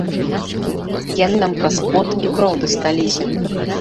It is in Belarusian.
Яны нам праз пот і кроў дасталіся.